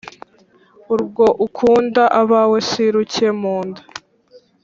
Urwo ukunda abawe si ruke mu nda